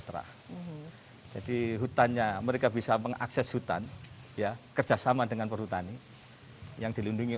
terah jadi hutannya mereka bisa mengakses hutan ya kerjasama dengan perhutani yang dilindungi